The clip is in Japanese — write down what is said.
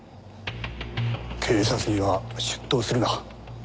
警察には出頭するな。